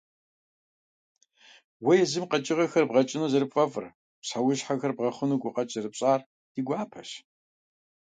Уэ езым къэкӀыгъэхэр бгъэкӀыну зэрыпфӀэфӀыр, псэущхьэхэр бгъэхъуну гукъэкӀ зэрыпщӀар ди гуапэщ.